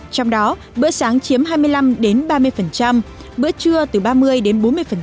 trong đó bữa sáng chiếm hai mươi năm đến ba mươi bữa trưa từ ba mươi đến bốn mươi